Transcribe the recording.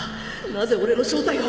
なぜ俺の正体を！